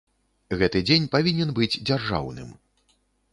Гэты дзень павінен быць дзяржаўным.